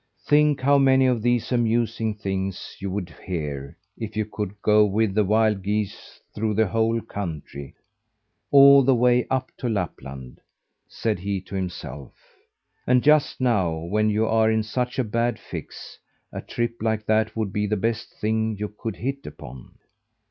"Think how many of these amusing things you would hear, if you could go with the wild geese through the whole country, all the way up to Lapland!" said he to himself. "And just now, when you are in such a bad fix, a trip like that would be the best thing you could hit upon."